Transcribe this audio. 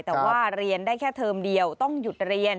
แต่ว่าเรียนได้แค่เทอมเดียวต้องหยุดเรียน